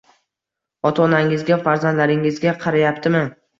ota- onangizga, farzandlaringizga qarayaptimi